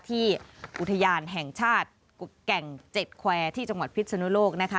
อุทยานแห่งชาติแก่งเจ็ดแควร์ที่จังหวัดพิษนุโลกนะคะ